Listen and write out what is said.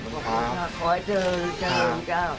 ขอให้เจอกันครับ